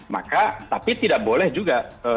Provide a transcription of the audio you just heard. maka tapi tidak boleh juga